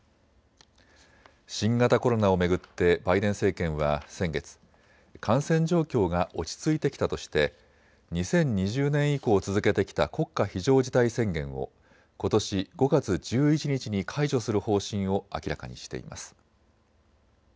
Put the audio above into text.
新型コロナを巡ってバイデン政権は先月、感染状況が落ち着いてきたとして２０２０年以降続けてきた国家非常事態宣言をことし５月１１日に解除する方針を明らかにしています。